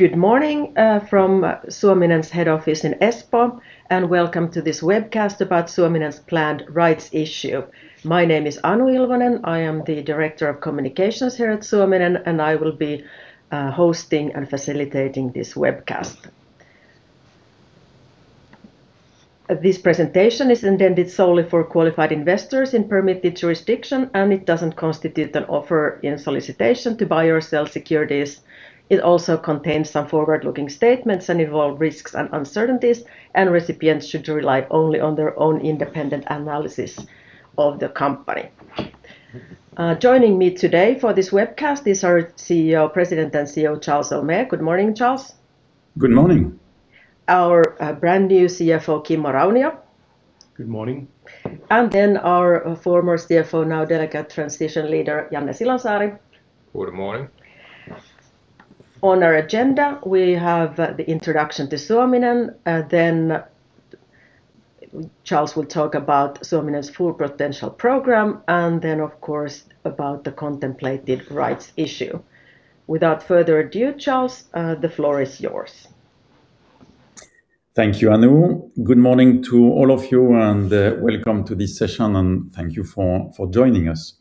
Good morning from Suominen's head office in Espoo, and welcome to this webcast about Suominen's planned rights issue. My name is Anu Ilvonen. I am the Director of Communications here at Suominen, and I will be hosting and facilitating this webcast. This presentation is intended solely for qualified investors in permitted jurisdiction, and it doesn't constitute an offer in solicitation to buy or sell securities. It also contains some forward-looking statements and involve risks and uncertainties, and recipients should rely only on their own independent analysis of the company. Joining me today for this webcast is our President and CEO, Charles Héaulmé. Good morning, Charles. Good morning. Our brand new CFO, Kimmo Raunio. Good morning. Our former CFO, now Delegate Transition Leader, Janne Silonsaari. Good morning. On our agenda, we have the introduction to Suominen, then Charles will talk about Suominen's Full Potential Program and then, of course, about the contemplated rights issue. Without further ado, Charles, the floor is yours. Thank you, Anu. Good morning to all of you and welcome to this session and thank you for joining us.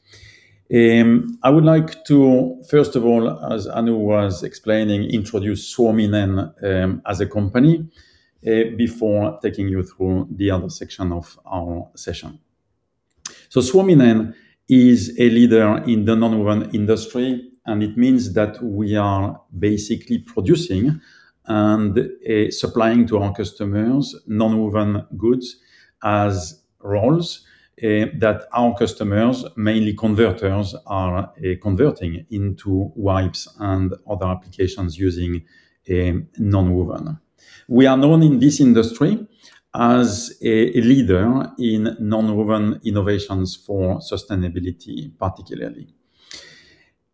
I would like to, first of all, as Anu was explaining, introduce Suominen as a company before taking you through the other section of our session. Suominen is a leader in the nonwoven industry, and it means that we are basically producing and supplying to our customers nonwoven goods as rolls that our customers, mainly converters, are converting into wipes and other applications using nonwoven. We are known in this industry as a leader in nonwoven innovations for sustainability, particularly.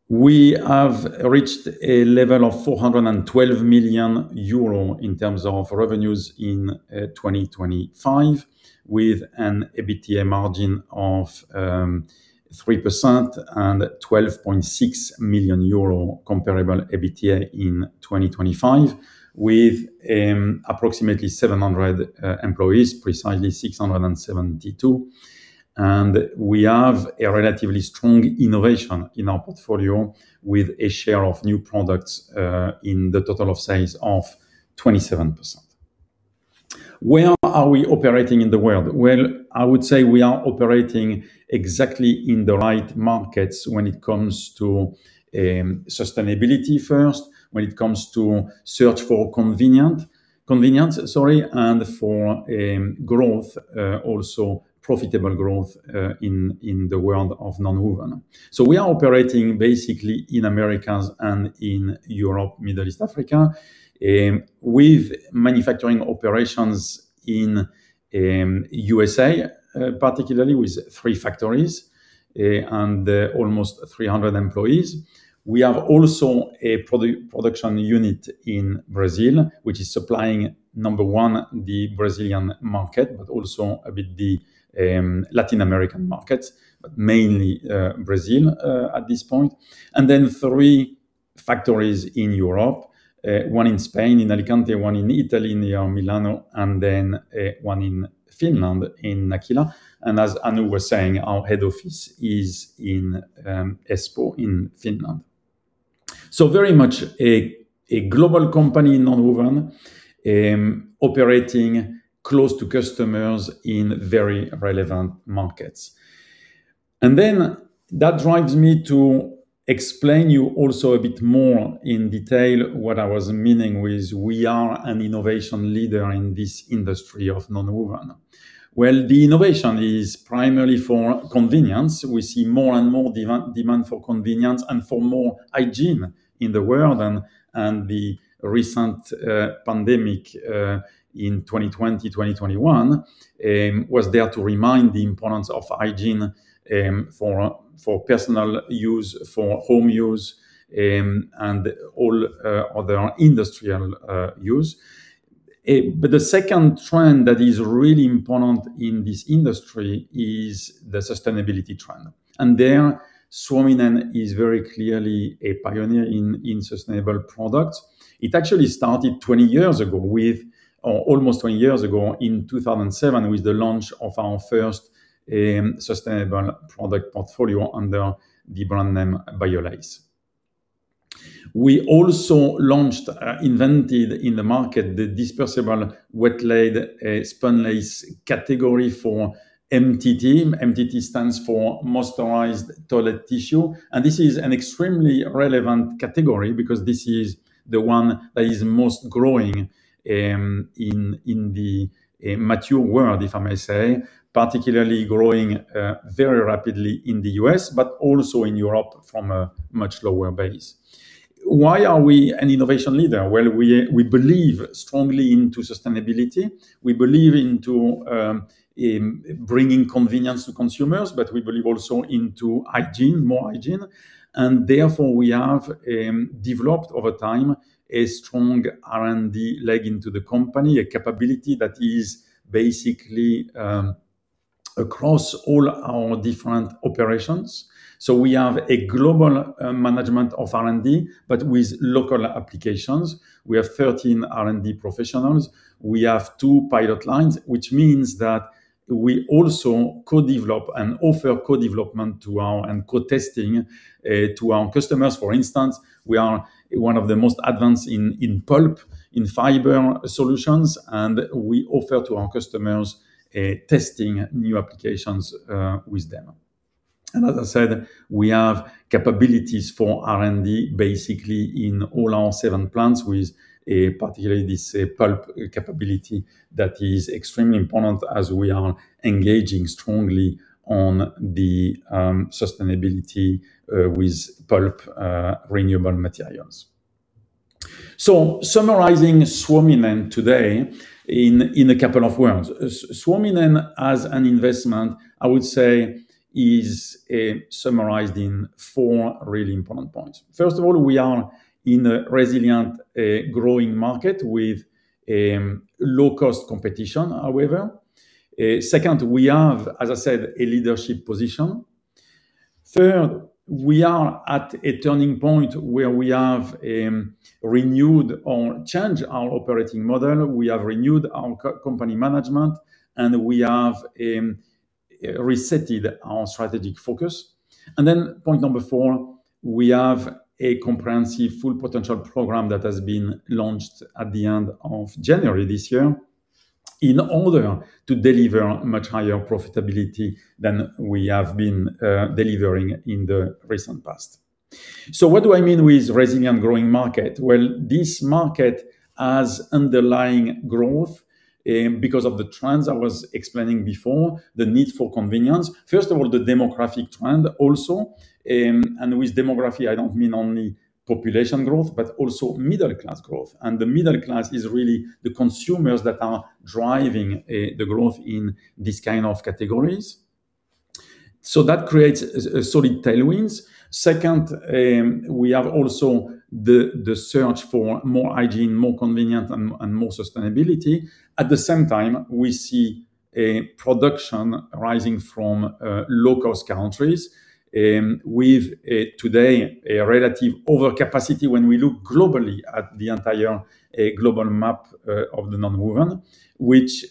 We have reached a level of 412 million euro in terms of revenues in 2025 with an EBITDA margin of 3% and 12.6 million euro comparable EBITDA in 2025 with approximately 700 employees, precisely 672. We have a relatively strong innovation in our portfolio with a share of new products in the total of sales of 27%. Where are we operating in the world? Well, I would say we are operating exactly in the right markets when it comes to sustainability first, when it comes to search for convenience, sorry, and for growth, also profitable growth in the world of nonwoven. We are operating basically in Americas and in Europe, Middle East, Africa, with manufacturing operations in U.S.A., particularly with three factories and almost 300 employees. We have also a production unit in Brazil, which is supplying, number one, the Brazilian market, but also a bit the Latin American markets, but mainly Brazil at this point. Then three factories in Europe, one in Spain, in Alicante, one in Italy, near Milano, and then one in Finland, in Nakkila. As Anu was saying, our head office is in Espoo in Finland. Very much a global company in nonwoven, operating close to customers in very relevant markets. That drives me to explain you also a bit more in detail what I was meaning with we are an innovation leader in this industry of nonwoven. Well, the innovation is primarily for convenience. We see more and more demand for convenience and for more hygiene in the world and the recent pandemic in 2020, 2021 was there to remind the importance of hygiene for personal use, for home use, and all other industrial use. The second trend that is really important in this industry is the sustainability trend. There, Suominen is very clearly a pioneer in sustainable products. It actually started 20 years ago or almost 20 years ago in 2007 with the launch of our first sustainable product portfolio under the brand name BIOLACE. We also launched, invented in the market the disposable wet-laid spunlace category for MTT. MTT stands for moisturized toilet tissue. This is an extremely relevant category because this is the one that is most growing in the mature world, if I may say, particularly growing very rapidly in the U.S., but also in Europe from a much lower base. Why are we an innovation leader? We believe strongly into sustainability. We believe into bringing convenience to consumers, but we believe also into hygiene, more hygiene. Therefore, we have developed over time a strong R&D leg into the company, a capability that is basically across all our different operations. We have a global management of R&D, but with local applications. We have 13 R&D professionals. We have two pilot lines, which means that we also co-develop and offer co-development to our and co-testing to our customers. For instance, we are one of the most advanced in pulp, in fiber solutions, and we offer to our customers testing new applications with them. As I said, we have capabilities for R&D basically in all our seven plants with particularly this pulp capability that is extremely important as we are engaging strongly on the sustainability with pulp renewable materials. Summarizing Suominen today in couple of words. Suominen as an investment, I would say is summarized in four really important points. First of all, we are in a resilient, growing market with low-cost competition however. Second, we have, as I said, a leadership position. Third, we are at a turning point where we have renewed or changed our operating model, we have renewed our company management, and we have reset our strategic focus. Point four, we have a comprehensive Full Potential Program that has been launched at the end of January this year in order to deliver much higher profitability than we have been delivering in the recent past. What do I mean with resilient growing market? Well, this market has underlying growth because of the trends I was explaining before, the need for convenience. First of all, the demographic trend also. With demography, I don't mean only population growth, but also middle class growth. The middle class is really the consumers that are driving the growth in these kind of categories. That creates solid tailwinds. Second, we have also the search for more hygiene, more convenient and more sustainability. At the same time, we see a production rising from low-cost countries, with today a relative overcapacity when we look globally at the entire global map of the nonwoven, which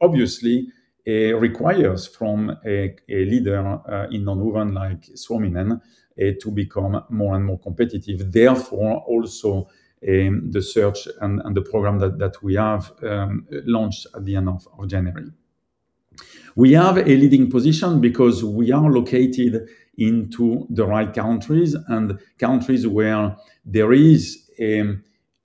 obviously requires from a leader in nonwoven like Suominen to become more and more competitive. Therefore, also, the search and the program that we have launched at the end of January. We have a leading position because we are located into the right countries and countries where there is a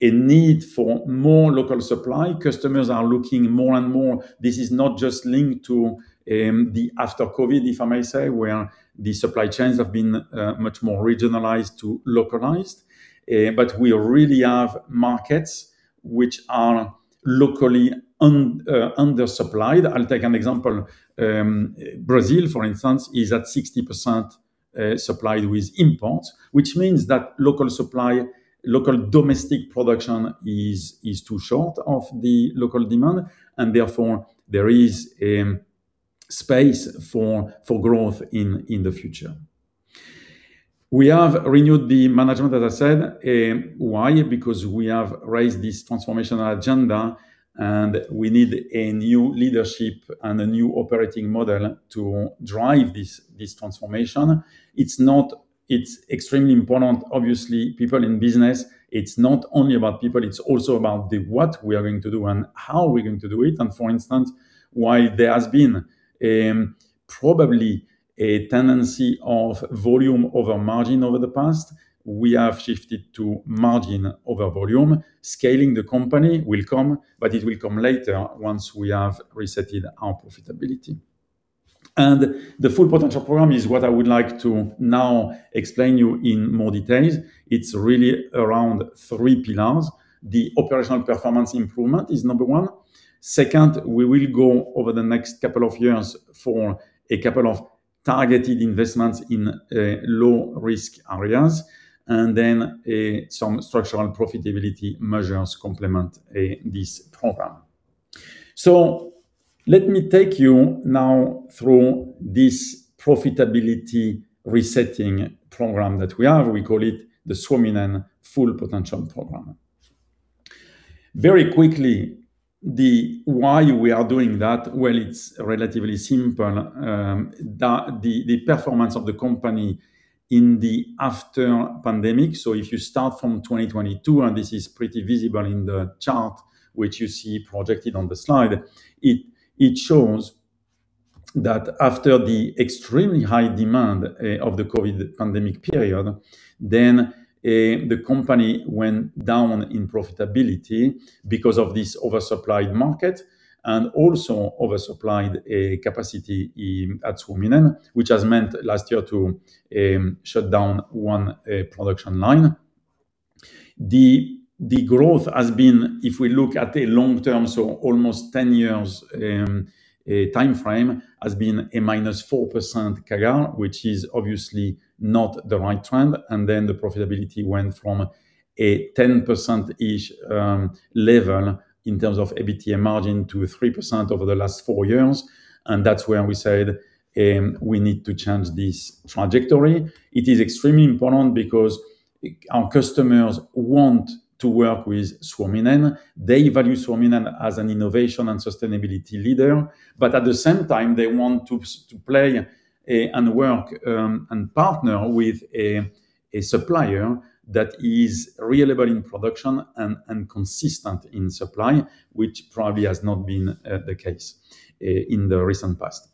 need for more local supply. Customers are looking more and more. This is not just linked to the after COVID, if I may say, where the supply chains have been much more regionalized to localized. We really have markets which are locally undersupplied. I'll take an example. Brazil, for instance, is at 60% supplied with imports, which means that local supply, local domestic production is too short of the local demand, and therefore there is space for growth in the future. We have renewed the management, as I said. Why? Because we have raised this transformational agenda, and we need a new leadership and a new operating model to drive this transformation. It's extremely important, obviously, people in business. It's not only about people, it's also about the what we are going to do and how we're going to do it. For instance, while there has been probably a tendency of volume over margin over the past, we have shifted to margin over volume. Scaling the company will come, it will come later once we have resetted our profitability. The Full Potential Program is what I would like to now explain you in more details. It's really around three pillars. The operational performance improvement is number one. Second, we will go over the next couple of years for a couple of targeted investments in low-risk areas, and then some structural profitability measures complement this program. Let me take you now through this profitability resetting program that we have. We call it the Suominen Full Potential Program. Very quickly, the why we are doing that, well, it's relatively simple. The performance of the company in the after pandemic. If you start from 2022, this is pretty visible in the chart which you see projected on the slide, it shows that after the extremely high demand of the COVID pandemic period, the company went down in profitability because of this oversupplied market and also oversupplied capacity at Suominen, which has meant last year to shut down one production line. The growth has been, if we look at a long term, almost 10 years timeframe, has been a minus 4% CAGR, which is obviously not the right trend. The profitability went from a 10%-ish level in terms of EBITDA margin to 3% over the last four years, that's where we said, we need to change this trajectory. It is extremely important because our customers want to work with Suominen. They value Suominen as an innovation and sustainability leader. At the same time, they want to play and work and partner with a supplier that is reliable in production and consistent in supply, which probably has not been the case in the recent past.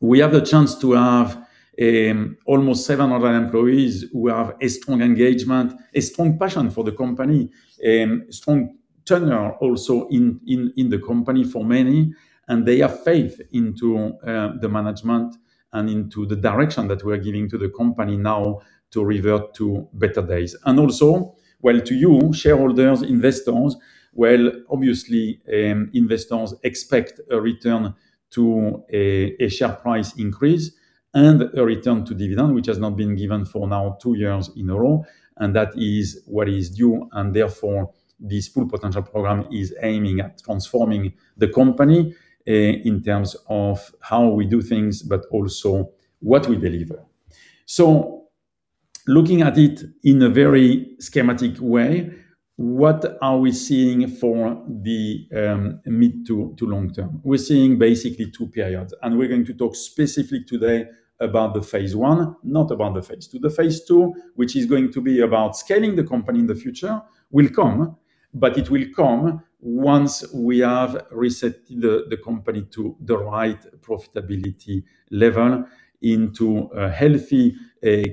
We have the chance to have almost 700 employees who have a strong engagement, a strong passion for the company, strong tenure also in the company for many, and they have faith into the management and into the direction that we are giving to the company now to revert to better days. Also, well, to you, shareholders, investors. Well, obviously, investors expect a return to a share price increase and a return to dividend, which has not been given for now two years in a row, and that is what is due. Therefore, this Full Potential Program is aiming at transforming the company in terms of how we do things, but also what we deliver. Looking at it in a very schematic way, what are we seeing for the mid to long term? We're seeing basically two periods, and we're going to talk specifically today about the phase I, not about the phase II. The phase II, which is going to be about scaling the company in the future, will come, but it will come once we have reset the company to the right profitability level into a healthy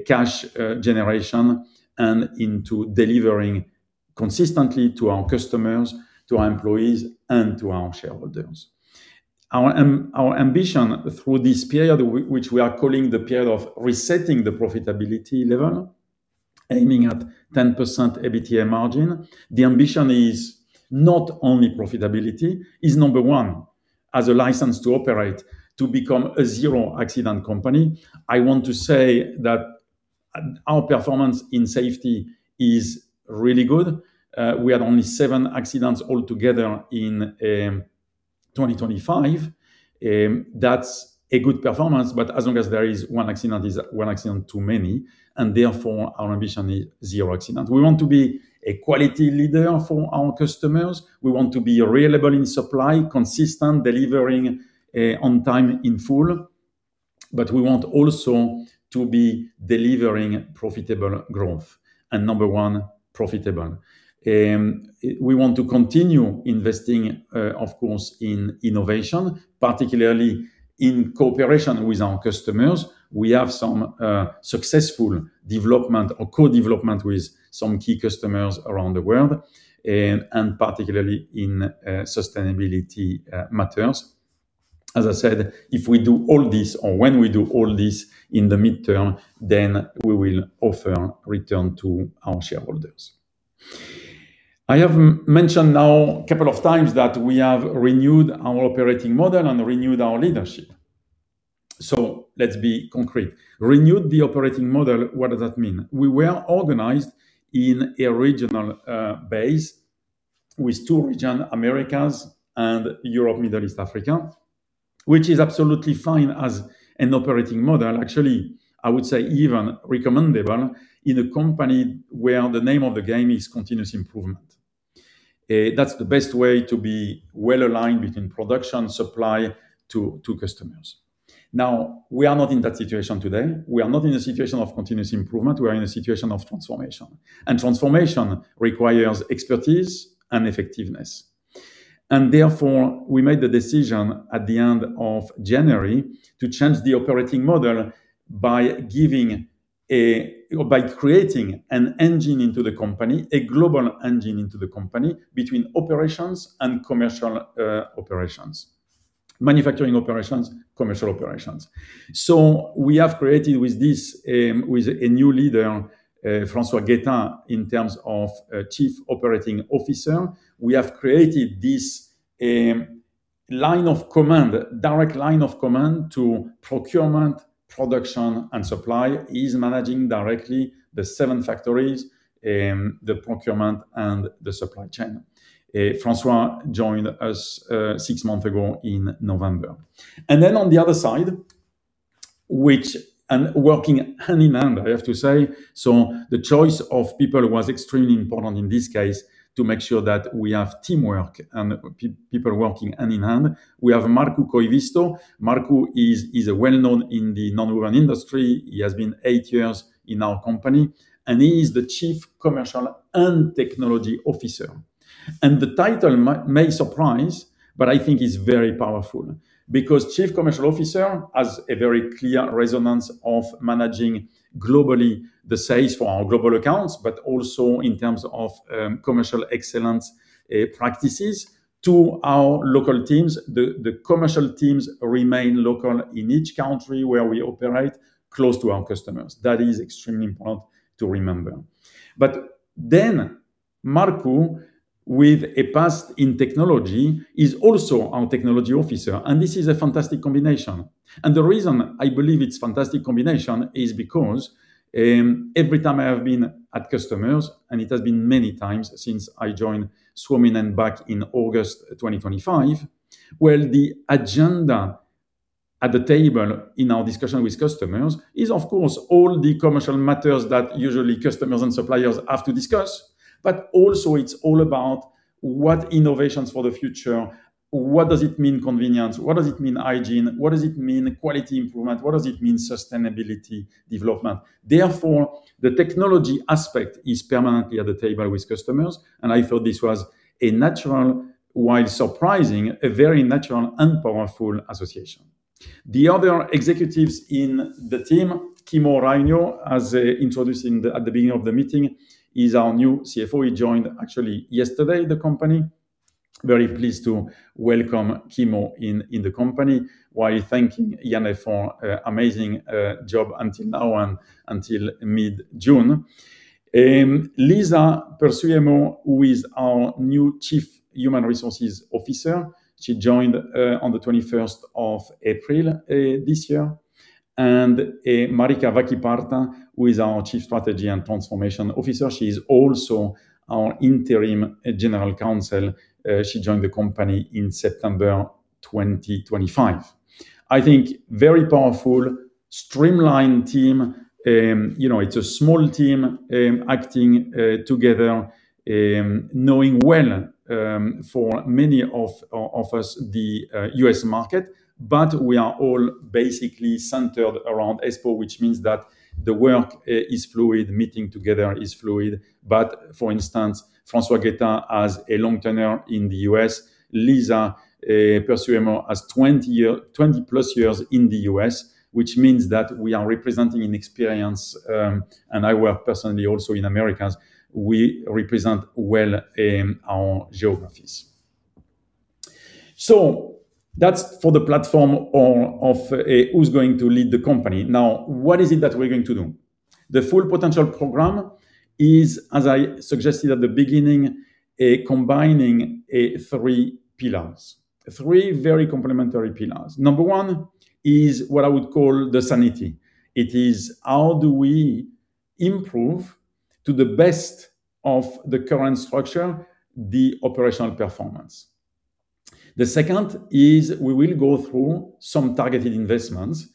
cash generation and into delivering consistently to our customers, to our employees, and to our shareholders. Our ambition through this period, which we are calling the period of resetting the profitability level, aiming at 10% EBITDA margin. The ambition is not only profitability. Is number one, as a license to operate, to become a zero-accident company. I want to say that our performance in safety is really good. We had only seven accidents all together in 2025. That's a good performance, but as long as there is one accident is one accident too many. Therefore, our ambition is zero accident. We want to be a quality leader for our customers. We want to be reliable in supply, consistent, delivering on time in full, we want also to be delivering profitable growth, and number one, profitable. We want to continue investing, of course, in innovation, particularly in cooperation with our customers. We have some successful development or co-development with some key customers around the world and particularly in sustainability matters. As I said, if we do all this or when we do all this in the mid-term, we will offer return to our shareholders. I have mentioned now a couple of times that we have renewed our operating model and renewed our leadership. Let's be concrete. Renewed the operating model, what does that mean? We were organized in a regional base with two regions, Americas and Europe, Middle East, Africa, which is absolutely fine as an operating model. Actually, I would say even recommendable in a company where the name of the game is continuous improvement. That's the best way to be well-aligned between production, supply to customers. We are not in that situation today. We are not in a situation of continuous improvement. We are in a situation of transformation. Transformation requires expertise and effectiveness. Therefore, we made the decision at the end of January to change the operating model by creating an engine into the company, a global engine into the company between operations and commercial operations. Manufacturing operations, commercial operations. We have created with this, with a new leader, François Guetat, in terms of Chief Operating Officer. We have created this line of command, direct line of command to procurement, production, and supply. He is managing directly the seven factories, the procurement and the supply chain. François joined us six months ago in November. On the other side, and working hand in hand, I have to say. The choice of people was extremely important in this case to make sure that we have teamwork and people working hand in hand. We have Markku Koivisto. Markku is well-known in the nonwoven industry. He has been eight years in our company, and he is the Chief Commercial and Technology Officer. The title may surprise, but I think it's very powerful because chief commercial officer has a very clear resonance of managing globally the sales for our global accounts, but also in terms of commercial excellence practices to our local teams. The commercial teams remain local in each country where we operate close to our customers. That is extremely important to remember. Markku, with a past in technology, is also our technology officer, and this is a fantastic combination. The reason I believe it's fantastic combination is because every time I have been at customers, and it has been many times since I joined Suominen back in August 2025, well, the agenda at the table in our discussion with customers is, of course, all the commercial matters that usually customers and suppliers have to discuss. Also it's all about what innovations for the future, what does it mean convenience? What does it mean hygiene? What does it mean quality improvement? What does it mean sustainability development? Therefore, the technology aspect is permanently at the table with customers, and I thought this was a natural, while surprising, a very natural and powerful association. The other executives in the team, Kimmo Raunio, as introducing at the beginning of the meeting, is our new CFO. He joined actually yesterday, the company. Very pleased to welcome Kimmo in the company, while thanking Janne for amazing job until now and until mid-June. Liisa Pursiheimo, who is our new Chief Human Resources Officer. She joined on the 21st of April this year. Marika Väkiparta, who is our Chief Strategy and Transformation Officer. She is also our interim general counsel. She joined the company in September 2025. I think very powerful, streamlined team. You know, it's a small team, acting together, knowing well, for many of us, the U.S. market. We are all basically centered around Espoo, which means that the work is fluid, meeting together is fluid. For instance, Francois Guetat as a long-tenner in the U.S., Liisa Pursiheimo has 20-plus years in the U.S., which means that we are representing an experience, and I work personally also in Americas. We represent well our geographies. That's for the platform of who's going to lead the company. Now, what is it that we're going to do? The Full Potential Program is, as I suggested at the beginning, combining three pillars. Three very complementary pillars. Number one is what I would call the sanity. It is how do we improve to the best of the current structure, the operational performance. The second is we will go through some targeted investments,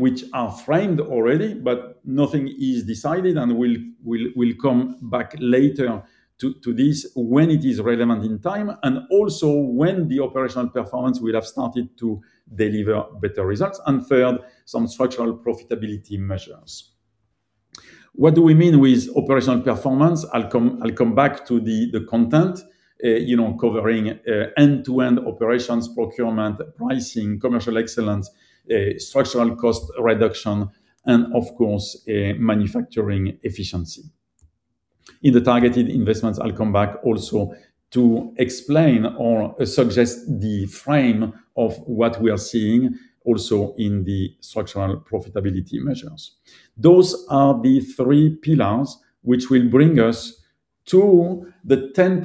which are framed already, but nothing is decided, and we'll come back later to this when it is relevant in time, and also when the operational performance will have started to deliver better results. Third, some structural profitability measures. What do we mean with operational performance? I'll come back to the content, you know, covering end-to-end operations, procurement, pricing, commercial excellence, structural cost reduction, and of course, manufacturing efficiency. In the targeted investments, I'll come back also to explain or suggest the frame of what we are seeing also in the structural profitability measures. Those are the three pillars which will bring us to the 10%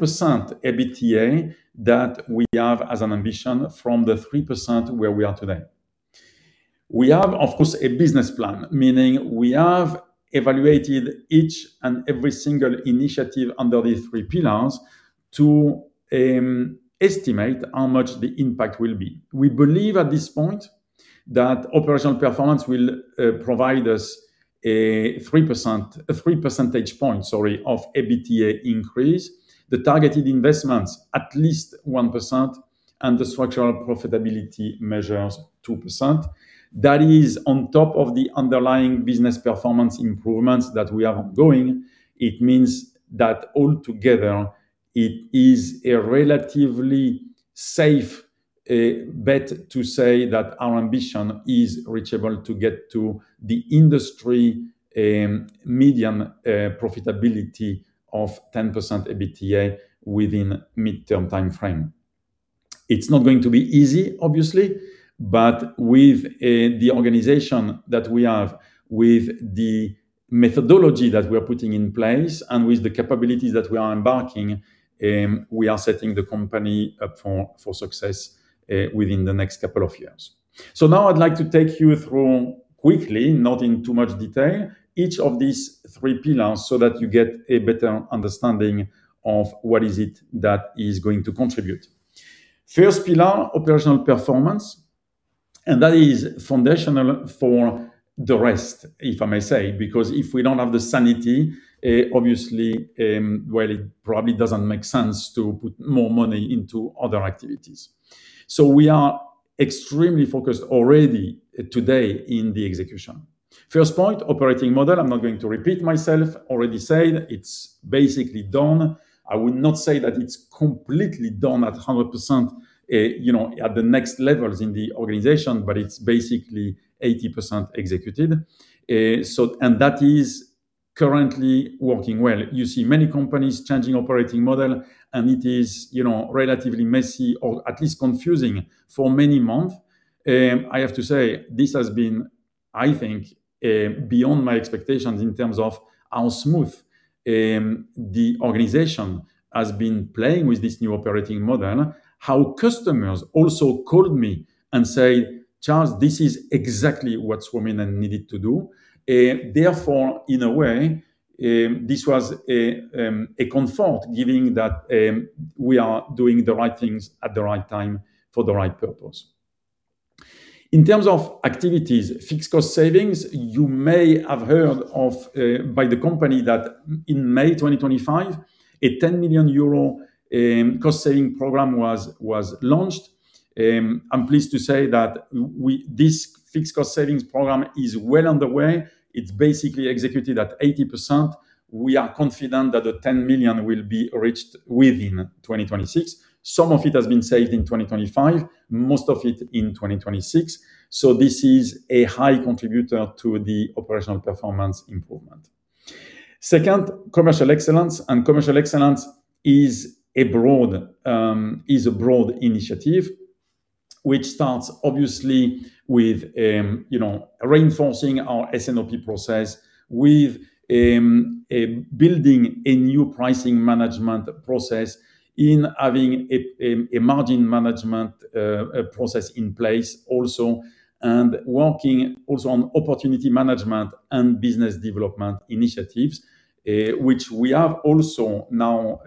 EBITDA that we have as an ambition from the 3% where we are today. We have, of course, a business plan, meaning we have evaluated each and every single initiative under these three pillars to estimate how much the impact will be. We believe at this point that operational performance will provide us a 3 percentage point, sorry, of EBITDA increase. The targeted investments, at least 1%, and the structural profitability measures, 2%. That is on top of the underlying business performance improvements that we have ongoing. It means that all together, it is a relatively safe bet to say that our ambition is reachable to get to the industry medium profitability of 10% EBITDA within midterm timeframe. It's not going to be easy, obviously, but with the organization that we have, with the methodology that we are putting in place, and with the capabilities that we are embarking, we are setting the company up for success within the next couple of years. Now I'd like to take you through quickly, not in too much detail, each of these three pillars so that you get a better understanding of what is it that is going to contribute. First pillar, operational performance, that is foundational for the rest, if I may say, because if we don't have the sanity, obviously, well, it probably doesn't make sense to put more money into other activities. We are extremely focused already today in the execution. First point, operating model. I'm not going to repeat myself. Already said it's basically done. I would not say that it's completely done at 100%, you know, at the next levels in the organization, but it's basically 80% executed. That is currently working well. You see many companies changing operating model, and it is, you know, relatively messy or at least confusing for many months. I have to say this has been beyond my expectations in terms of how smooth the organization has been playing with this new operating model, how customers also called me and say, "Charles, this is exactly what Suominen needed to do." In a way, this was a comfort giving that we are doing the right things at the right time for the right purpose. In terms of activities, fixed cost savings, you may have heard of by the company that in May 2025, a 10 million euro cost saving program was launched. I'm pleased to say that this fixed cost savings program is well underway. It's basically executed at 80%. We are confident that the 10 million will be reached within 2026. Some of it has been saved in 2025, most of it in 2026. This is a high contributor to the operational performance improvement. Second, commercial excellence. Commercial excellence is a broad initiative which starts obviously with, you know, reinforcing our S&OP process with, building a new pricing management process in having a margin management, process in place also, and working also on opportunity management and business development initiatives, which we have also now,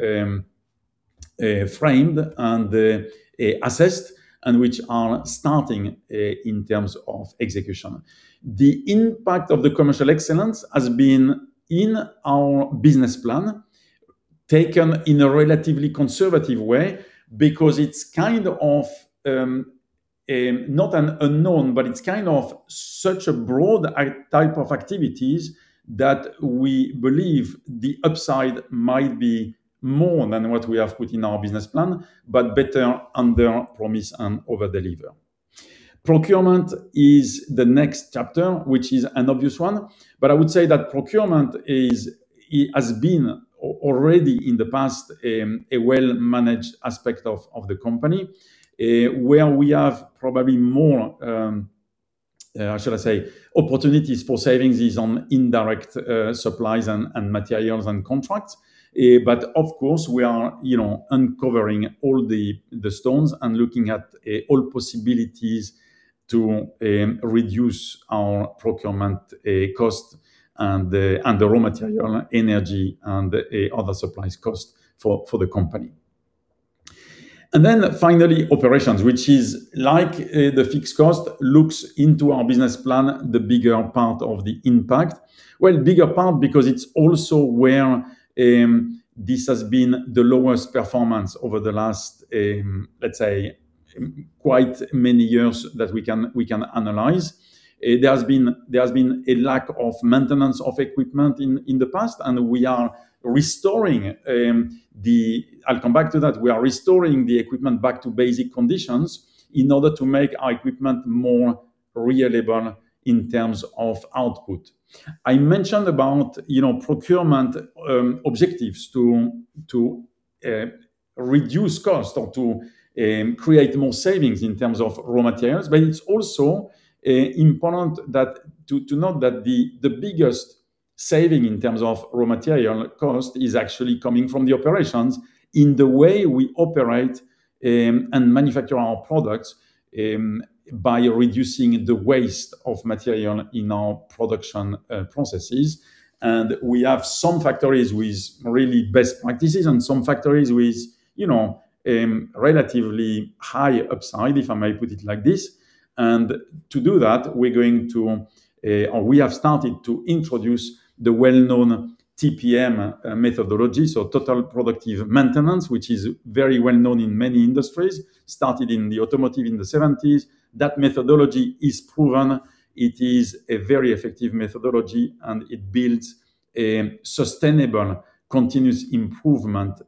framed and, assessed and which are starting, in terms of execution. The impact of the commercial excellence has been in our business plan taken in a relatively conservative way because it's kind of, not an unknown, but it's kind of such a broad type of activities that we believe the upside might be more than what we have put in our business plan, but better under promise and over deliver. Procurement is the next chapter, which is an obvious one. I would say that procurement it has been already in the past, a well-managed aspect of the company, where we have probably more, should I say, opportunities for savings is on indirect, supplies and materials and contracts. Of course, we are, you know, uncovering all the stones and looking at all possibilities to reduce our procurement cost and the raw material, energy, and other supplies cost for the company. Finally, operations, which is like the fixed cost, looks into our business plan, the bigger part of the impact. Well, bigger part because it's also where this has been the lowest performance over the last, let's say, quite many years that we can analyze. There has been a lack of maintenance of equipment in the past, and we are restoring. I'll come back to that. We are restoring the equipment back to basic conditions in order to make our equipment more reliable in terms of output. I mentioned about, you know, procurement objectives to reduce cost or to create more savings in terms of raw materials. It's also important to note that the biggest saving in terms of raw material cost is actually coming from the operations in the way we operate and manufacture our products by reducing the waste of material in our production processes. We have some factories with really best practices and some factories with, you know, relatively high upside, if I may put it like this. To do that, We have started to introduce the well-known TPM methodology, so Total Productive Maintenance, which is very well known in many industries, started in the automotive in the 70s. That methodology is proven. It is a very effective methodology. It builds a sustainable continuous improvement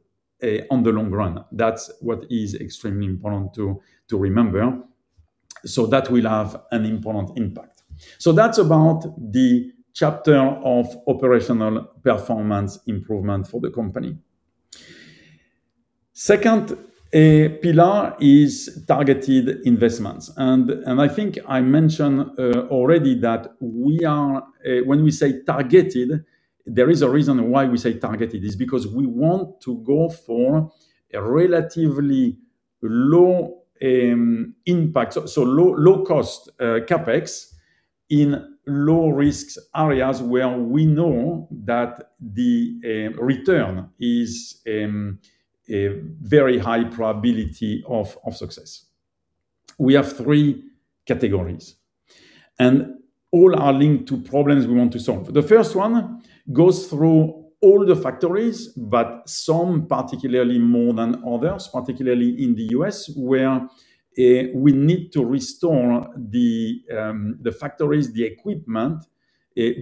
on the long run. That's what is extremely important to remember. That will have an important impact. That's about the chapter of operational performance improvement for the company. Second, pillar is targeted investments. I think I mentioned already that when we say targeted, there is a reason why we say targeted. It's because we want to go for a relatively low impact, low cost CapEx in low risks areas where we know that the return is a very high probability of success. We have three categories. All are linked to problems we want to solve. The first one goes through all the factories, but some particularly more than others, particularly in the U.S., where we need to restore the factories, the equipment,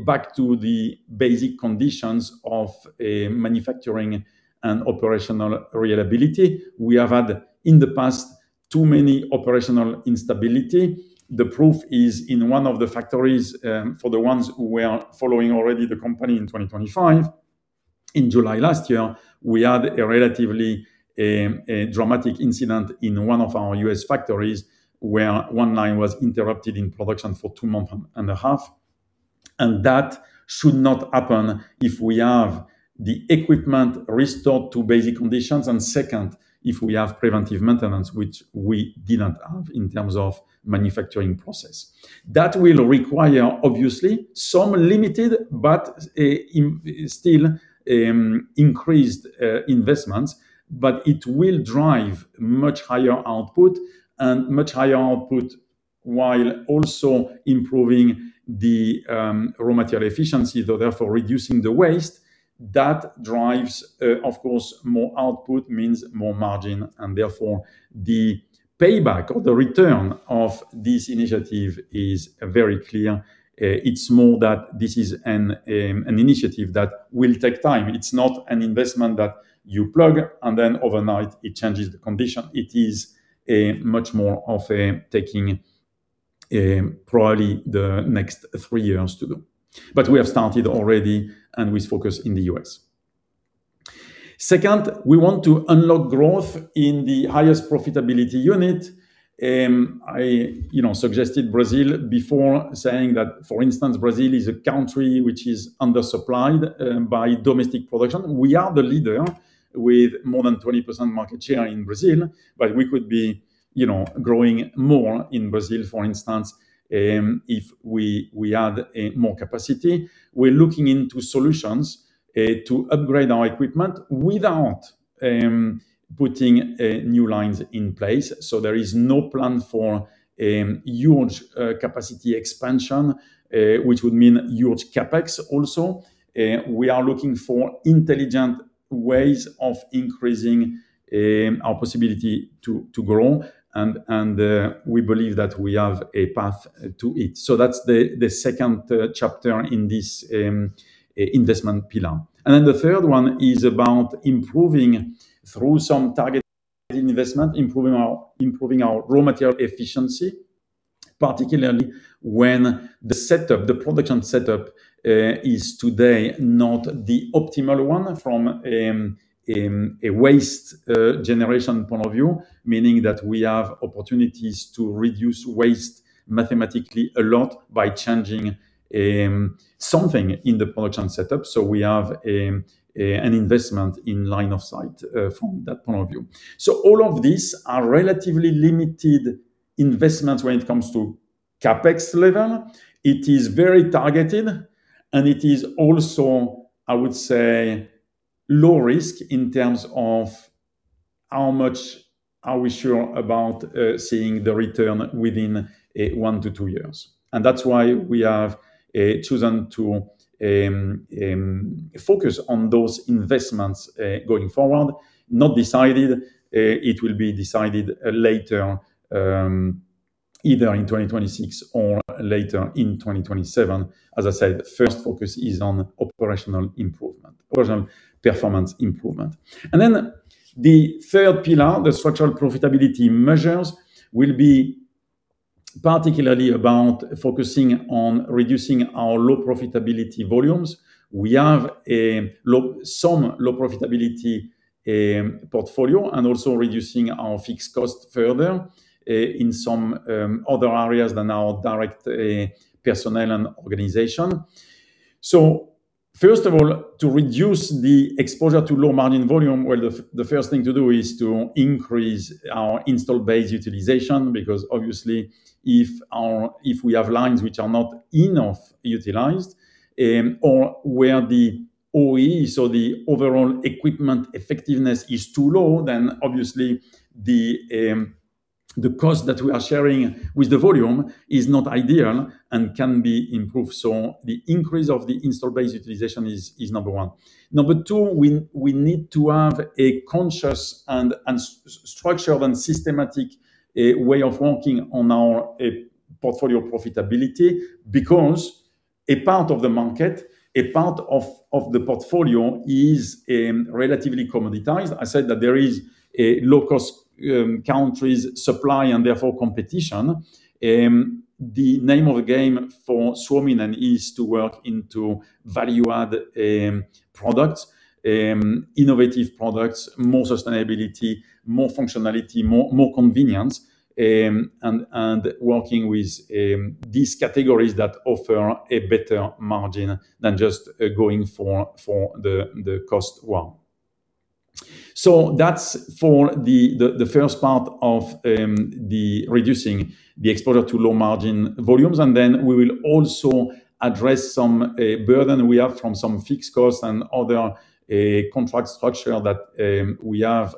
back to the basic conditions of manufacturing and operational reliability. We have had, in the past, too many operational instability. The proof is in one of the factories, for the ones who were following already the company in 2025. In July last year, we had a relatively dramatic incident in one of our U.S. factories where one line was interrupted in production for two months and a half. That should not happen if we have the equipment restored to basic conditions, and second, if we have preventive maintenance, which we didn't have in terms of manufacturing process. That will require obviously some limited but still increased investments, but it will drive much higher output while also improving the raw material efficiency, therefore reducing the waste. That drives, of course, more output means more margin, and therefore the payback or the return of this initiative is very clear. It's more that this is an initiative that will take time. It's not an investment that you plug and then overnight it changes the condition. It is a much more of a taking, probably the next three years to do. We have started already and with focus in the U.S. Second, we want to unlock growth in the highest profitability unit. I, you know, suggested Brazil before saying that, for instance, Brazil is a country which is undersupplied by domestic production. We are the leader with more than 20% market share in Brazil, but we could be, you know, growing more in Brazil, for instance, if we had more capacity. We're looking into solutions to upgrade our equipment without putting new lines in place. There is no plan for huge capacity expansion which would mean huge CapEx also. We are looking for intelligent ways of increasing our possibility to grow and we believe that we have a path to it. That's the second chapter in this investment pillar. The third one is about improving through some targeted investment, improving our raw material efficiency, particularly when the setup, the production setup, is today not the optimal one from a waste generation point of view, meaning that we have opportunities to reduce waste mathematically a lot by changing something in the production setup. We have an investment in line of sight from that point of view. All of these are relatively limited investments when it comes to CapEx level. It is very targeted, and it is also, I would say, low risk in terms of how much are we sure about seeing the return within one to two years. That's why we have chosen to focus on those investments going forward. Not decided. It will be decided later, either in 2026 or later in 2027. As I said, first focus is on operational improvement, operational performance improvement. The third pillar, the structural profitability measures, will be particularly about focusing on reducing our low profitability volumes. We have some low profitability portfolio and also reducing our fixed cost further in some other areas than our direct personnel and organization. First of all, to reduce the exposure to low margin volume, the first thing to do is to increase our installed base utilization because obviously if we have lines which are not enough utilized, or where the OEE, so the Overall Equipment Effectiveness is too low, then obviously the cost that we are sharing with the volume is not ideal and can be improved. The increase of the installed base utilization is number one. Number two, we need to have a conscious and structured and systematic way of working on our portfolio profitability because a part of the market, a part of the portfolio is relatively commoditized. I said that there is a low-cost countries supply and therefore competition. The name of the game for Suominen is to work into value add products, innovative products, more sustainability, more functionality, more convenience, and working with these categories that offer a better margin than just going for the cost one. That's for the first part of reducing the exposure to low margin volumes. We will also address some burden we have from some fixed costs and other contract structure that we have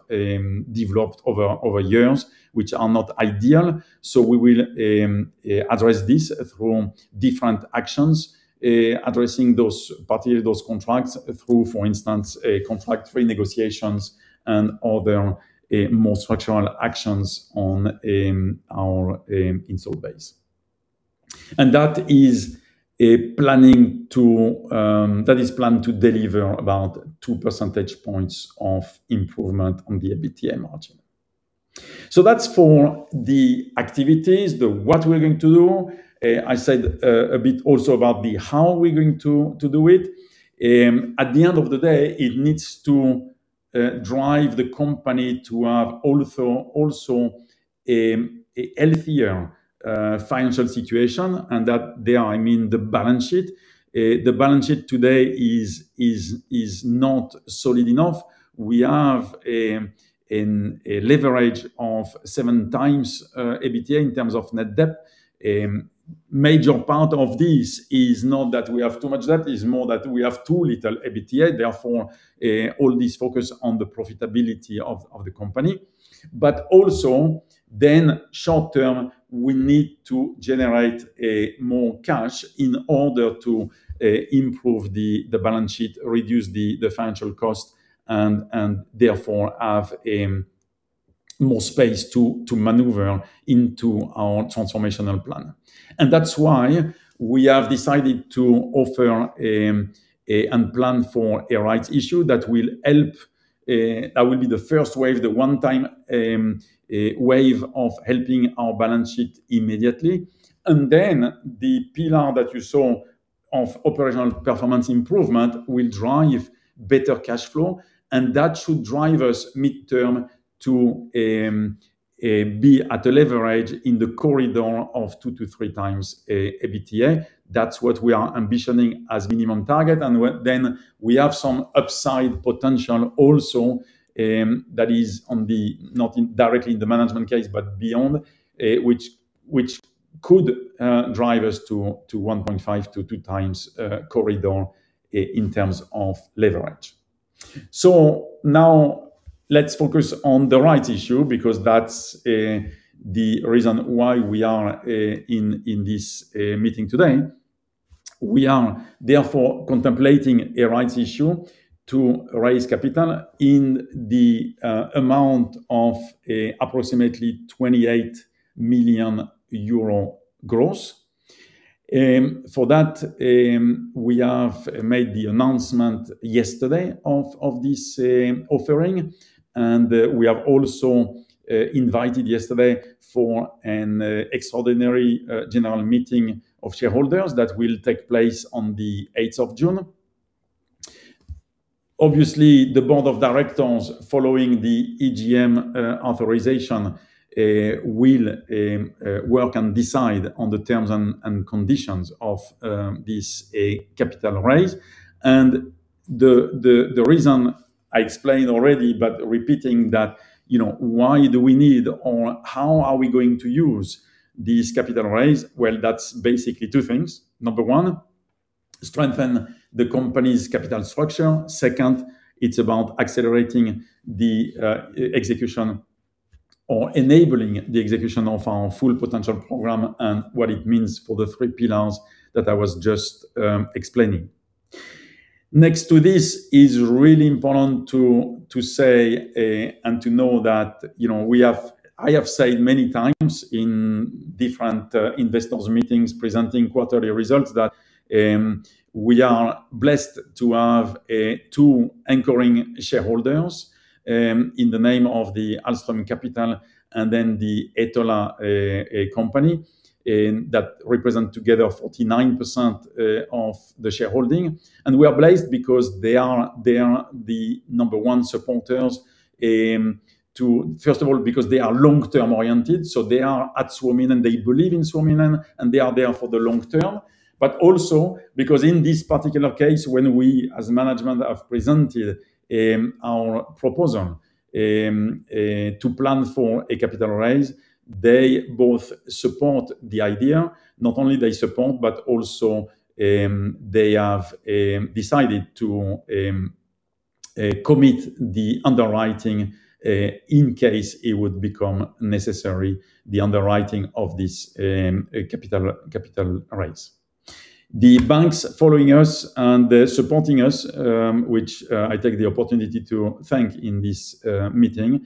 developed over years, which are not ideal. We will address this through different actions, addressing those particular those contracts through, for instance, a contract free negotiations and other more structural actions on our install base. That is planned to deliver about 2 percentage points of improvement on the EBITDA margin. That's for the activities, the what we're going to do. I said a bit also about the how we're going to do it. At the end of the day, it needs to drive the company to have also a healthier financial situation, and that there are, I mean, the balance sheet. The balance sheet today is not solid enough. We have a leverage of 7 times EBITDA in terms of net debt. Major part of this is not that we have too much debt, it's more that we have too little EBITDA. All this focus on the profitability of the company. Also short term, we need to generate more cash in order to improve the balance sheet, reduce the financial cost, and therefore have more space to maneuver into our transformational plan. That's why we have decided to offer and plan for a rights issue that will help, that will be the first wave, the one-time wave of helping our balance sheet immediately. The pillar that you saw of operational performance improvement will drive better cash flow, and that should drive us midterm to be at a leverage in the corridor of 2-3 times EBITDA. That is what we are ambitioning as minimum target. We have some upside potential also, that is not directly in the management case, but beyond, which could drive us to 1.5-2 times corridor in terms of leverage. Now let's focus on the rights issue because that is the reason why we are in this meeting today. We are therefore contemplating a rights issue to raise capital in the amount of approximately 28 million euro gross. For that, we have made the announcement yesterday of this offering, and we have also invited yesterday for an extraordinary general meeting of shareholders that will take place on the 8th of June. Obviously, the board of directors following the EGM authorization will work and decide on the terms and conditions of this capital raise. The reason I explained already, but repeating that, you know, why do we need or how are we going to use this capital raise? Well, that's basically two things. Number one, strengthen the company's capital structure. Second, it's about accelerating the e-execution or enabling the execution of our Full Potential Program and what it means for the three pillars that I was just explaining. Next to this is really important to say and to know that, you know, I have said many times in different investors meetings presenting quarterly results that we are blessed to have two anchoring shareholders in the name of Ahlström Capital and then the Etola Company that represent together 49% of the shareholding. We are blessed because they are the number one supporters. First of all, because they are long-term oriented, so they are at Suominen, they believe in Suominen, and they are there for the long term. Also because in this particular case, when we as management have presented our proposal to plan for a capital raise, they both support the idea. Not only they support, but also, they have decided to commit the underwriting, in case it would become necessary, the underwriting of this capital raise. The banks following us and supporting us, which I take the opportunity to thank in this meeting,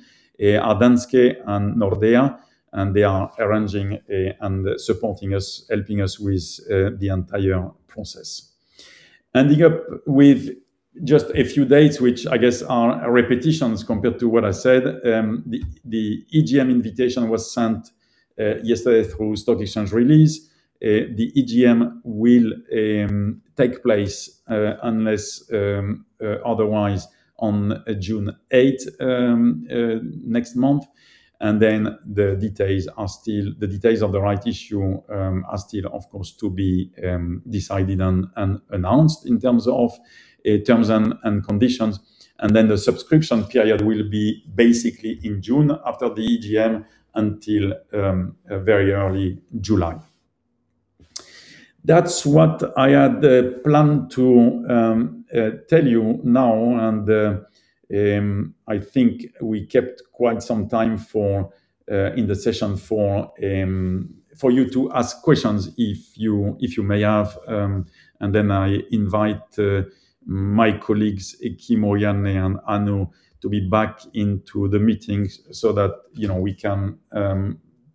are Danske and Nordea. They are arranging and supporting us, helping us with the entire process. Ending up with just a few dates, which I guess are repetitions compared to what I said. The EGM invitation was sent yesterday through stock exchange release. The EGM will take place unless otherwise on June 8 next month. The details of the right issue are still, of course, to be decided and announced in terms of terms and conditions. The subscription period will be basically in June after the EGM until very early July. That's what I had planned to tell you now. I think we kept quite some time for in the session for you to ask questions if you may have. I invite my colleagues, Kimmo, Janne, and Anu, to be back into the meeting so that, you know, we can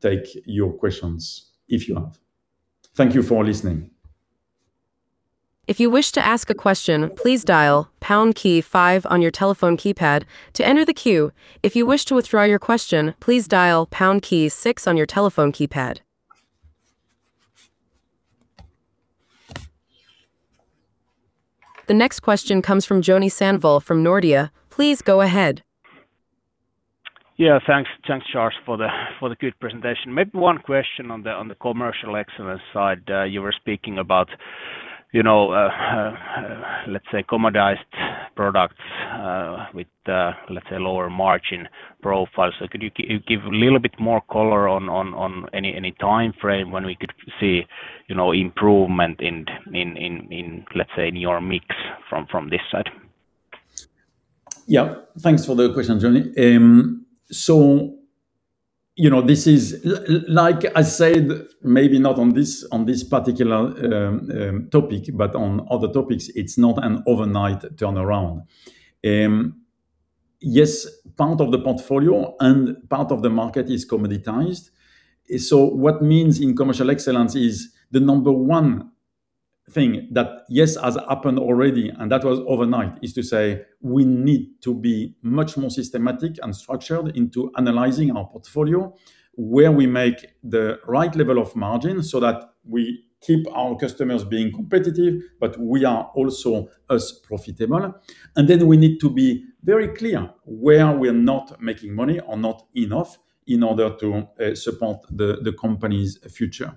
take your questions if you have. Thank you for listening. If you wish to ask a question, please dial pound key five on your telephone keypad to enter the queue. If you wish to withdraw your question please dial pound key six on your telephone keypad. The next question comes from Joni Sandvall from Nordea. Please go ahead. Thanks. Thanks, Charles, for the good presentation. Maybe one question on the commercial excellence side. You were speaking about, you know, let's say commoditized products, with let's say lower margin profiles. Could you give a little bit more color on any time frame when we could see, you know, improvement in let's say in your mix from this side? Yeah. Thanks for the question, Joni. You know, this is like I said, maybe not on this, on this particular topic, but on other topics, it's not an overnight turnaround. Yes, part of the portfolio and part of the market is commoditized. What means in commercial excellence is the number one thing that, yes, has happened already, and that was overnight, is to say we need to be much more systematic and structured into analyzing our portfolio, where we make the right level of margin so that we keep our customers being competitive, but we are also as profitable. We need to be very clear where we are not making money or not enough in order to support the company's future.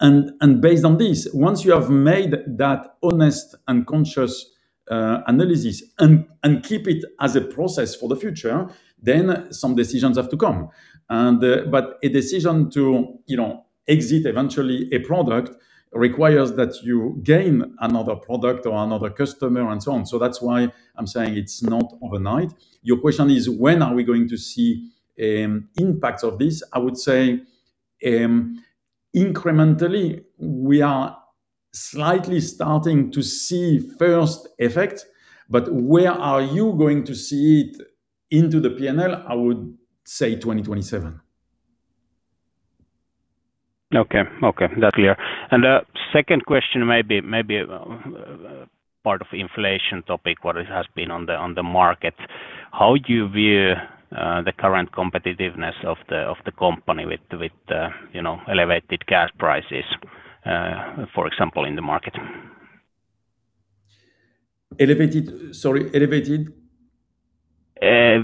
Based on this, once you have made that honest and conscious analysis and keep it as a process for the future, then some decisions have to come. But a decision to, you know, exit eventually a product requires that you gain another product or another customer and so on. That's why I'm saying it's not overnight. Your question is, when are we going to see impacts of this? I would say incrementally, we are slightly starting to see first effect, but where are you going to see it into the P&L? I would say 2027. Okay. Okay. That clear. The second question may be part of inflation topic what it has been on the, on the market. How do you view the current competitiveness of the company with, you know, elevated gas prices, for example, in the market? Elevated. Sorry, elevated?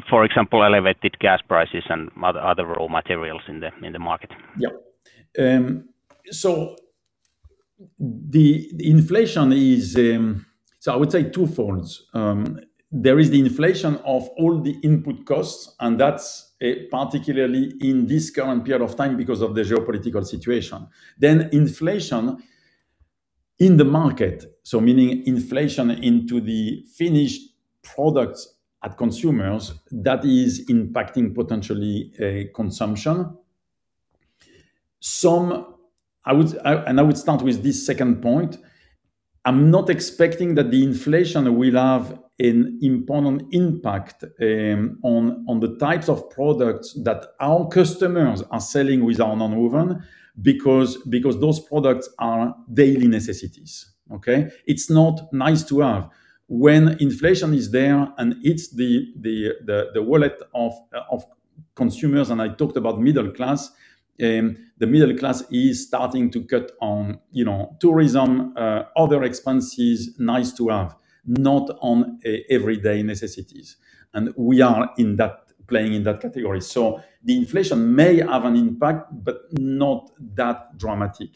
For example, elevated gas prices and other raw materials in the market. Yeah. The inflation is I would say twofolds. There is the inflation of all the input costs, and that's particularly in this current period of time because of the geopolitical situation. Inflation in the market, meaning inflation into the finished products at consumers, that is impacting potentially consumption. I would start with this second point. I'm not expecting that the inflation will have an important impact on the types of products that our customers are selling with our nonwoven because those products are daily necessities. Okay. It's not nice to have. When inflation is there and it's the wallet of consumers, and I talked about middle class, the middle class is starting to cut on, you know, tourism, other expenses nice to have, not on everyday necessities. We are playing in that category. The inflation may have an impact, but not that dramatic.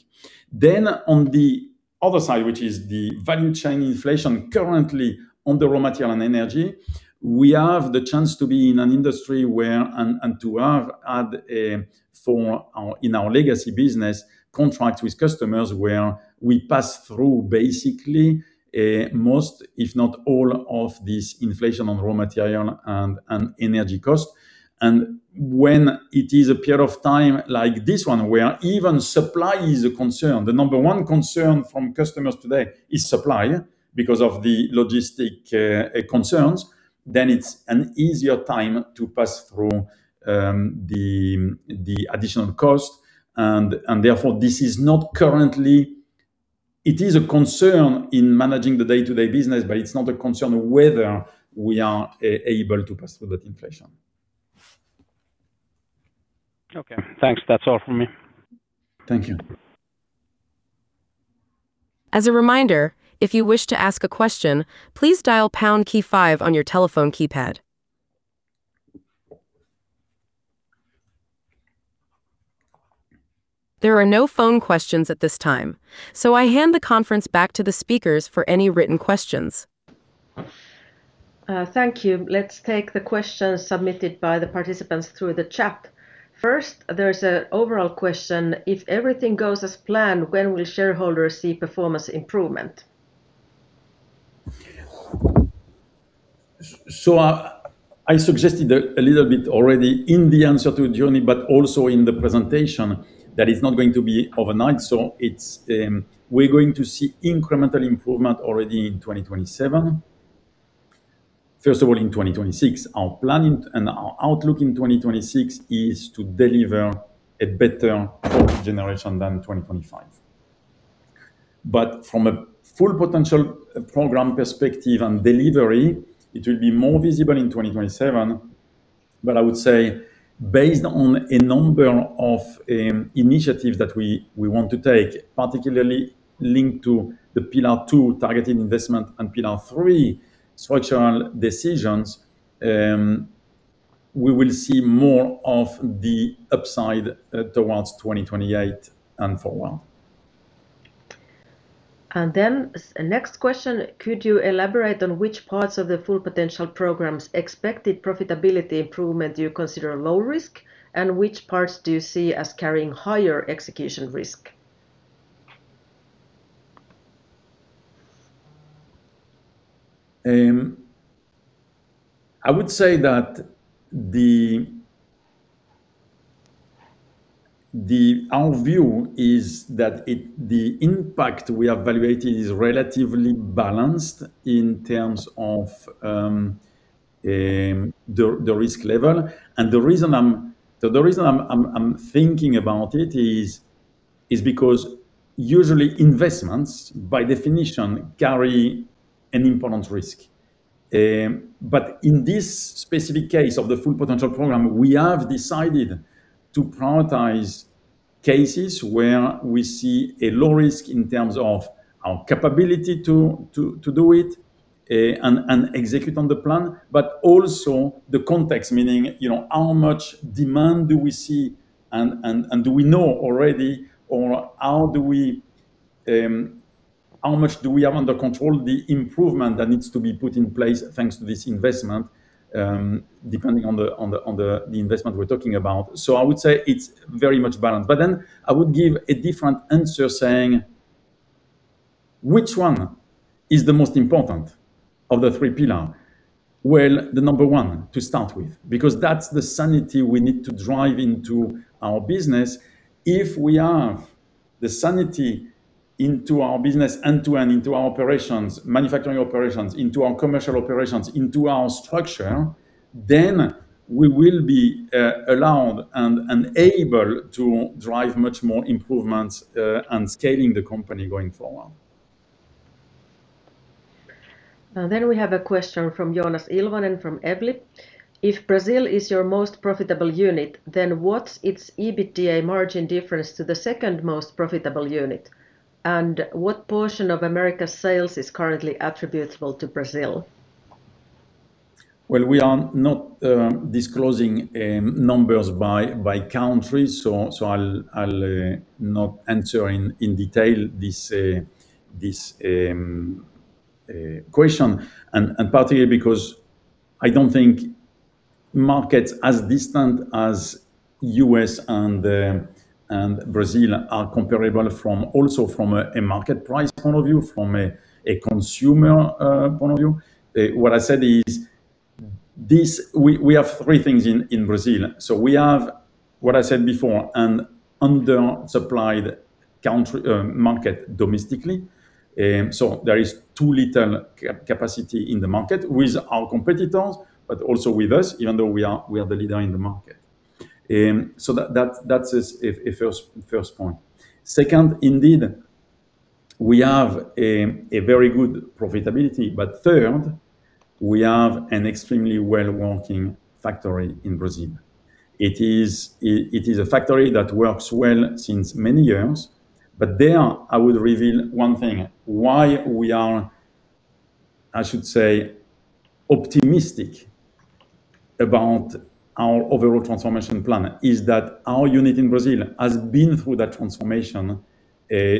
On the other side, which is the value chain inflation currently on the raw material and energy, we have the chance to be in an industry where to have had in our legacy business, contracts with customers where we pass through basically most, if not all of this inflation on raw material and energy cost. When it is a period of time like this one where even supply is a concern, the number one concern from customers today is supply because of the logistic concerns, then it's an easier time to pass through the additional cost. It is a concern in managing the day-to-day business, but it's not a concern whether we are able to pass through that inflation. Okay. Thanks. That's all from me. Thank you. As a reminder, if you wish to ask a question, please dial pound key five on your telephone keypad. There are no phone questions at this time, so I hand the conference back to the speakers for any written questions. Thank you. Let's take the questions submitted by the participants through the chat. First, there's an overall question. If everything goes as planned, when will shareholders see performance improvement? I suggested a little bit already in the answer to Joni, but also in the presentation that it's not going to be overnight. It's, we're going to see incremental improvement already in 2027. First of all, in 2026, our plan and our outlook in 2026 is to deliver a better profit generation than 2025. From a Full Potential Program perspective and delivery, it will be more visible in 2027. I would say based on a number of initiatives that we want to take, particularly linked to the pillar two, targeted investment, and pillar two, structural decisions, we will see more of the upside towards 2028 and forward. Next question, could you elaborate on which parts of the Full Potential Program’s expected profitability improvement do you consider low risk, and which parts do you see as carrying higher execution risk? I would say that our view is that the impact we have evaluated is relatively balanced in terms of the risk level. The reason I'm thinking about it is because usually investments by definition carry an important risk. In this specific case of the Full Potential Program, we have decided to prioritize cases where we see a low risk in terms of our capability to do it and execute on the plan, but also the context, meaning, you know, how much demand do we see and do we know already or how do we have under control the improvement that needs to be put in place thanks to this investment, depending on the investment we're talking about. I would say it's very much balanced. I would give a different answer saying which one is the most important of the three pillar? Well, the number one to start with, because that's the sanity we need to drive into our business. If we have the sanity into our business end-to-end into our operations, manufacturing operations, into our commercial operations, into our structure, then we will be allowed and able to drive much more improvements, and scaling the company going forward. We have a question from Jonas Ilvan and from Evli. If Brazil is your most profitable unit, then what's its EBITDA margin difference to the second most profitable unit? What portion of Americas' sales is currently attributable to Brazil? Well, we are not disclosing numbers by country, I'll not answer in detail this question. Partly because I don't think markets as distant as U.S. and Brazil are comparable also from a market price point of view, from a consumer point of view. What I said is this, we have three things in Brazil. We have, what I said before, an undersupplied country market domestically. There is too little capacity in the market with our competitors, but also with us, even though we are the leader in the market. That's a first point. Second, indeed, we have a very good profitability. Third, we have an extremely well-working factory in Brazil. It is a factory that works well since many years. There, I would reveal one thing, why we are, I should say, optimistic about our overall transformation plan is that our unit in Brazil has been through that transformation,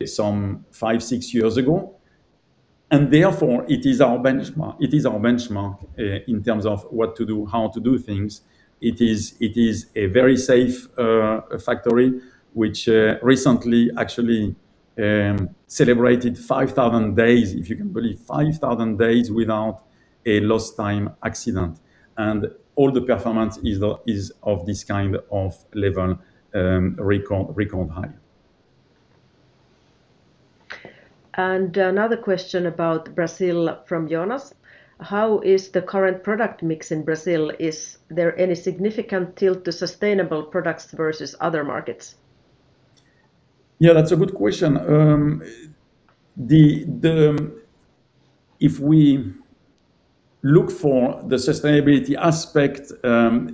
some five, six years ago, and therefore, it is our benchmark. It is our benchmark in terms of what to do, how to do things. It is a very safe factory, which recently actually celebrated 5,000 days, if you can believe, 5,000 days without a lost time accident. All the performance is of this kind of level, record high. Another question about Brazil from Jonas. How is the current product mix in Brazil? Is there any significant tilt to sustainable products versus other markets? Yeah, that's a good question. If we look for the sustainability aspect, the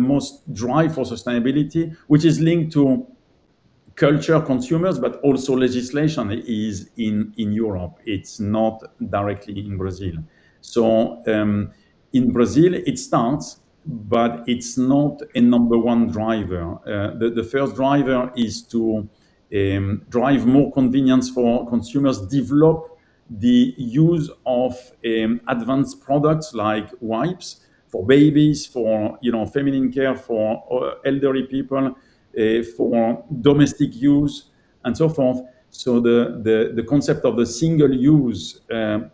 most drive for sustainability, which is linked to culture consumers, but also legislation is in Europe. It's not directly in Brazil. In Brazil it starts, but it's not a number one driver. The first driver is to drive more convenience for consumers, develop the use of advanced products like wipes for babies, for, you know, feminine care, for elderly people, for domestic use, and so forth. The concept of the single-use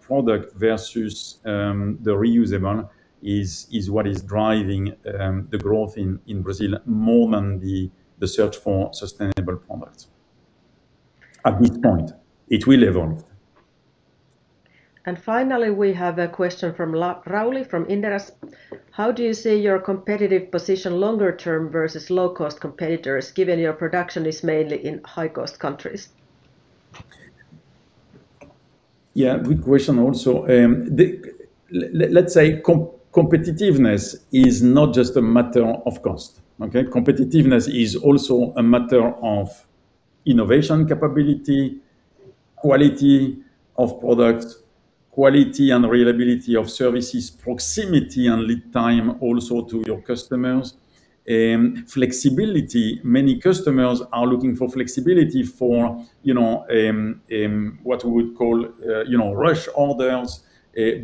product versus the reusable is what is driving the growth in Brazil more than the search for sustainable products. At this point, it will evolve. Finally, we have a question from Rauli, from Inderes. How do you see your competitive position longer term versus low cost competitors given your production is mainly in high cost countries? Yeah, good question also. Let's say competitiveness is not just a matter of cost. Okay. Competitiveness is also a matter of innovation capability, quality of product, quality and reliability of services, proximity and lead time also to your customers. Flexibility. Many customers are looking for flexibility for, you know, what we would call, you know, rush orders,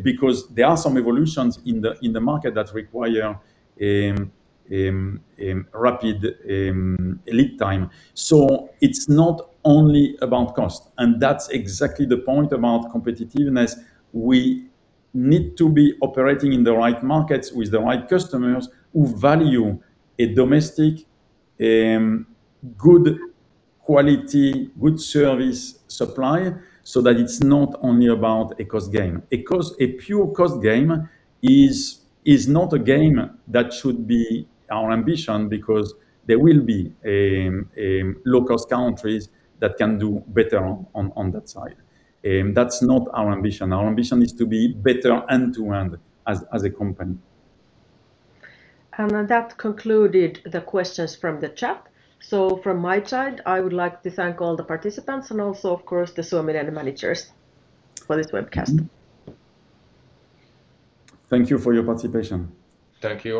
because there are some evolutions in the market that require rapid lead time. It's not only about cost, and that's exactly the point about competitiveness. We need to be operating in the right markets with the right customers who value a domestic, good quality, good service supply, so that it's not only about a cost game. A pure cost game is not a game that should be our ambition because there will be low-cost countries that can do better on that side. That's not our ambition. Our ambition is to be better end-to-end as a company. That concluded the questions from the chat. From my side, I would like to thank all the participants and also, of course, the Suominen managers for this webcast. Thank you for your participation. Thank you.